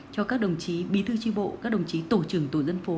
cho các đồng chí bí thư tri bộ các đồng chí tổ trưởng tổ dân phố